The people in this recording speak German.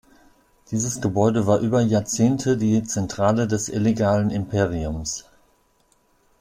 Dieses Gebäude war über Jahrzehnte die Zentrale des illegalen Imperiums.